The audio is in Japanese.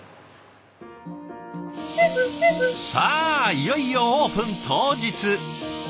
いよいよオープン当日。